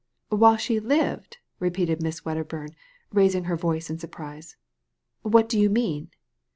While she lived!" repeated Miss Wedderburn, raising her voice in surprise. ''What do you mean?"